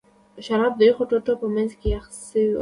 شراب د یخو ټوټو په منځ کې یخ شوي ول.